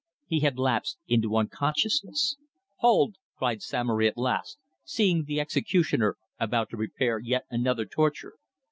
He had lapsed into unconsciousness. "Hold!" cried Samory at last, seeing the executioner about to prepare yet another torture.